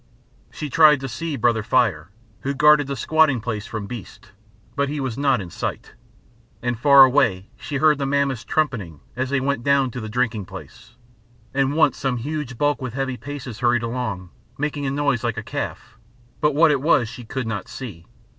She tried to see Brother Fire, who guarded the squatting place from beasts, but he was not in sight. And far away she heard the mammoths trumpeting as they went down to the drinking place, and once some huge bulk with heavy paces hurried along, making a noise like a calf, but what it was she could not see.